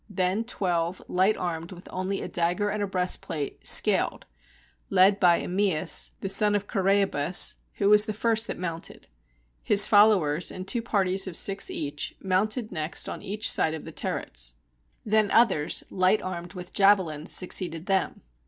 Then twelve light armed with only a dagger and a breastplate scaled, led by Ammeas the son of Chorae bus, who was the first that mounted. His followers, in two parties of six each, mounted next on each side of the turrets. Then others light armed with javelins succeeded them.